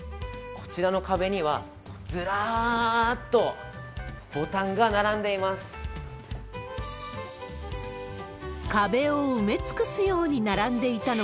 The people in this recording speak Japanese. こちらの壁には、ずらーっとボタンが並んでいます。